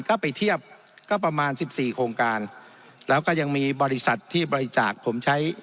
ก็ไปเทียบก็ประมาณสิบสี่โครงการแล้วก็ยังมีบริษัทที่บริจาคผมใช้